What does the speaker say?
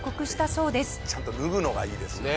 ちゃんと脱ぐのがいいですよね。